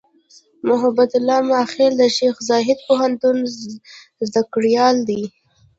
محبت الله "میاخېل" د شیخزاید پوهنتون زدهکړیال دی.